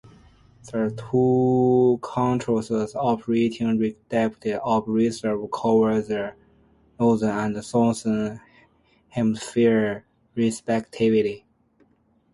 The two continuously operating, robotic observatories cover the Northern and Southern Hemisphere, respectively.